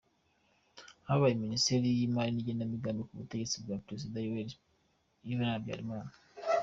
Yabaye Ministre w’imali n’igenamigambi ku butegetsi bwa Perezida Yuvenali Habyalimana.